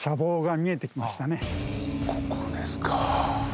ここですか。